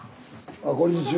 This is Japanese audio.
あこんにちは。